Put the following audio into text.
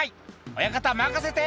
親方、任せて。